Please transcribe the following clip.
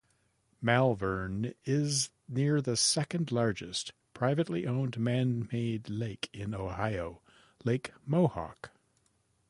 Malvern is near the second largest privately owned man-made lake in Ohio, Lake Mohawk.